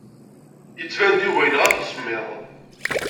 Yettban-d Yuba yenɣa-t usemmiḍ.